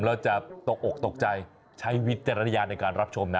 เราจะตกอกตกใจใช้วิทยาลัยในการรับชมนะ